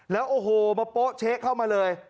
แล้วโอ้โหมาโป๊ะเช๊ะเข้ามาเลย